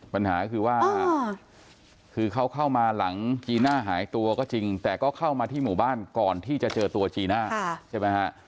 ปัญหาคือว่าคือเขาเข้ามาหลังจีน่าหายตัวก็จริงแต่ก็เข้ามาที่หมู่บ้านก่อนที่จะเจอตัวจีน่าใช่ไหมฮะ